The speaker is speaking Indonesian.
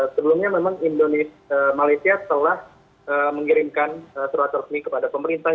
sebelumnya memang indonesia telah mengirimkan surat surat ini kepada pemerintah